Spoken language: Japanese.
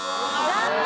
残念。